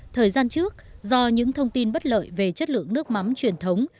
thời gian trước do những thông tin bất lợi về chất lượng nước mắm truyền thống